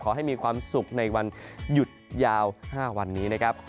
ขอให้มีความสุขในวันหยุดยาว๕วันนี้นะครับ